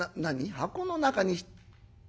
箱の中に。